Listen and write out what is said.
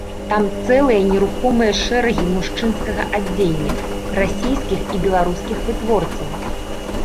Там цэлыя нерухомыя шэрагі мужчынскага адзення, расійскіх і беларускіх вытворцаў.